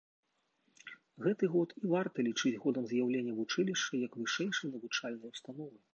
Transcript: Гэты год і варта лічыць годам з'яўлення вучылішча як вышэйшай навучальнай установы.